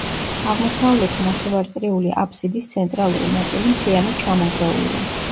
აღმოსავლეთი ნახევარწრიული აბსიდის ცენტრალური ნაწილი მთლიანად ჩამონგრეულია.